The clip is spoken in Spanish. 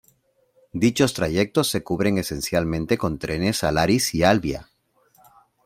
Dichos trayectos se cubren esencialmente con trenes Alaris y Alvia.